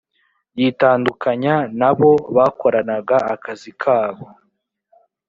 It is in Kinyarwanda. yitandukanya n’abo bakoranaga akazi kabo